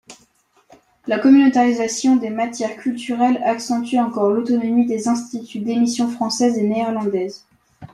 La communautarisation des matières culturelles accentuent encore l’autonomie des Instituts d’émissions françaises et néerlandaises.